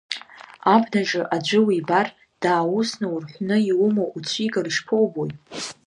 Абнаҿы аӡәы уибар, дааусны урҳәны, иумоу уцәигар, ишԥоубои?